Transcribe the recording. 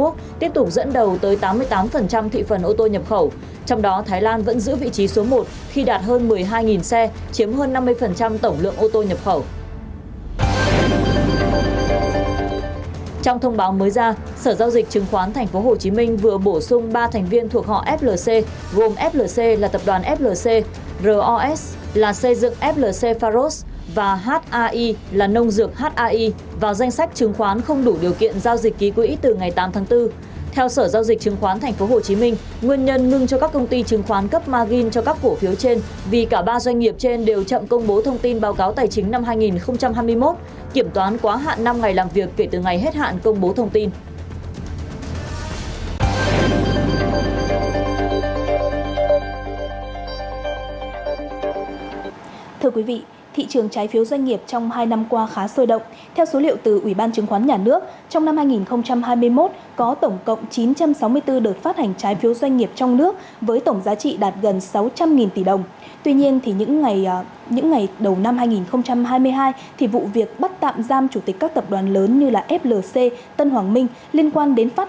tiếp theo xin mời quý vị cùng điểm qua một số tin tức kinh tế nổi bật có trong hai mươi bốn h qua